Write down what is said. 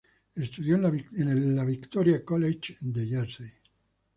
Estudió en el Victoria College de Jersey.